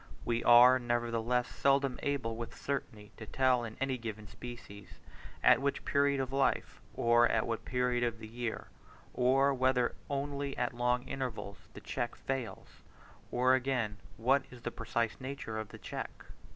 We are, nevertheless, seldom able with certainty to tell in any given species, at what period of life, or at what period of the year, or whether only at long intervals, the check falls; or, again, what is the precise nature of the check.